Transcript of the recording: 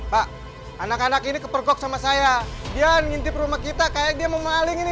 pak anak anak ini kepergok sama saya dia ngintip rumah kita kayak dia mau maling ini